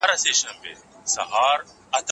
خامخا به د ناحقه مال خوړلو پوښتنه کېږي.